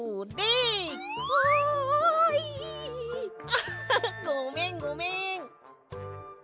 アッハハごめんごめん。